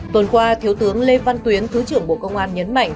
tuần qua thiếu tướng lê văn tuyến thứ trưởng bộ công an nhấn mạnh